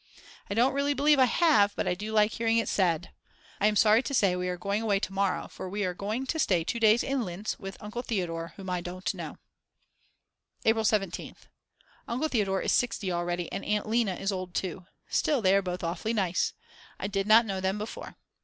I don't really believe I have, but I do like hearing it said. I'm sorry to say we are going away to morrow, for we are going to stay 2 days in Linz with Uncle Theodor whom I don't know. April 17th. Uncle Theodor is 60 already and Aunt Lina is old too. Still, they are both awfully nice. I did not know them before.